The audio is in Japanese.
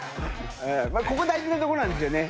ここ大事なとこなんですよね。